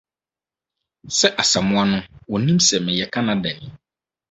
Sɛ́ Asamoah no, onnim sɛ meyɛ Canadani.